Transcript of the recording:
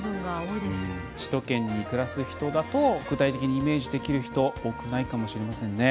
首都圏に暮らす人だと具体的にイメージできる人多くないかもしれませんね。